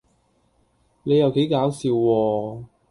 你又幾搞笑喎